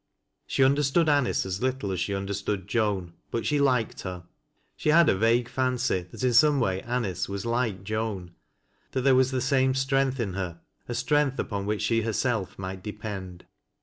She understood Anice as little as she understood Joan, but she Hked her. She had a vague fancy that in some way Anice was like Joan ; that there was the same strength in her, — a strength upon which she hei self might depend.